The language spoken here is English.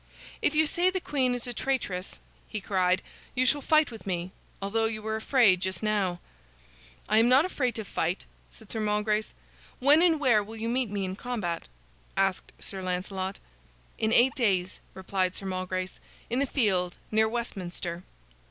"If you say the queen is a traitress," he cried, "you shall fight with me, although you were afraid just now." "I am not afraid to fight," said Sir Malgrace. "When and where will you meet me in combat?" asked Sir Lancelot. "In eight days," replied Sir Malgrace, "in the field near Westminster."